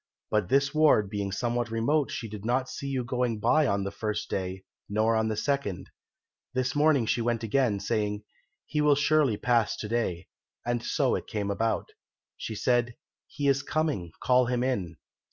But this ward being somewhat remote she did not see you going by on the first day, nor on the second. This morning she went again, saying, "He will surely pass to day"; and so it came about. She said, "He is coming; call him in."